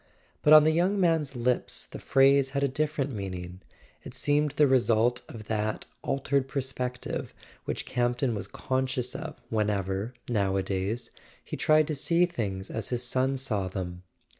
But on the young man's lips the phrase had a different meaning; it seemed the result of that altered perspective which Campton was conscious of whenever, nowadays, he tried to see things as his son saw them.